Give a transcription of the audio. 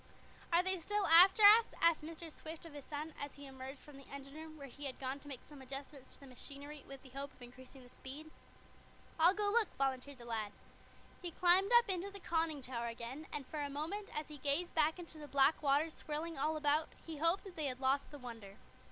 "Are they still after us?" asked Mr. Swift of his son, as he emerged from the engine room, where he had gone to make some adjustments to the machinery, with the hope of increasing the speed. "I'll go look," volunteered the lad. He climbed up into the conning tower again, and for a moment, as he gazed back into the black waters swirling all about, he hoped that they had lost the Wonder.